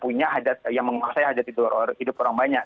ini adalah komoditas yang menguasai hajat di luar hidup orang banyak